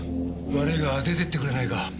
悪いが出てってくれないか。